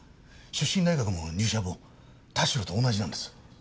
出身大学も入社も田代と同じなんです。